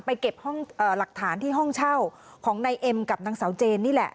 เก็บห้องหลักฐานที่ห้องเช่าของนายเอ็มกับนางสาวเจนนี่แหละ